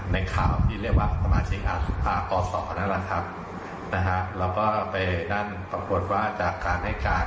ในข่าวที่เรียกว่าสมาชิกภาคศนั่นแหละครับนะฮะแล้วก็ไปนั่นปรากฏว่าจากการให้การ